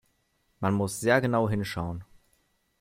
Man muss sehr genau hinschauen.